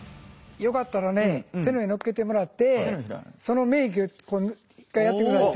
よかったらね手のうえのっけてもらってその粘液をこう一回やってください。